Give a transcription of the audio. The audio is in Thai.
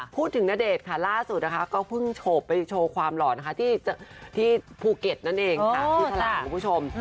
พูดถึงณเดชน์ค่ะล่าสุดก็เพิ่งโฉบไปโชว์ความหล่อที่ภูเก็ตนั่นเองค่ะที่ถลังคุณผู้ชม